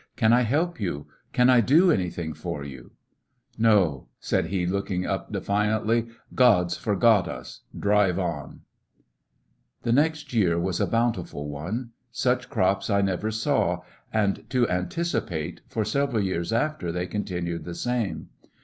"Can I help yout Can I do anything for yout" 60 ]j/lissionarY in tge Great West "No,'' said he, looking up defiantly ; "God 's forgot us. Drive on." The next year was a bountiM one. Such His only crops I never saw, and, to anticipate, for sev eral years after they continued the same.